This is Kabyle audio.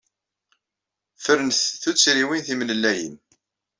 Fernet tuttriwin timlellayin.